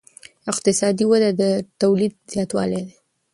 اقتصادي وده د تولید زیاتوالی دی.